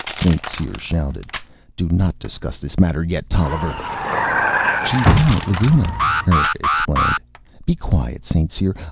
St. Cyr shouted. "Do not discuss this matter yet, Tolliver." "She's down at Laguna," Erika explained. "Be quiet, St. Cyr!